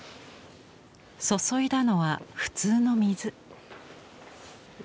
注いだのは普通の水。